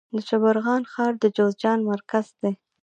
د شبرغان ښار د جوزجان مرکز دی